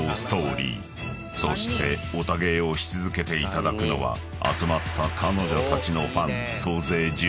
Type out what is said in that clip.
［そしてオタ芸をし続けていただくのは集まった彼女たちのファン］